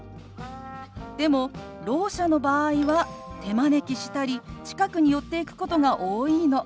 でもろう者の場合は手招きしたり近くに寄っていくことが多いの。